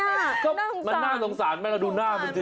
น่าโรงสารก็มันน่าโรงสารให้ดูหน้ามันสิ